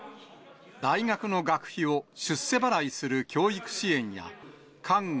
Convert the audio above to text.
大学の学費を出世払いする教育支援や、看護、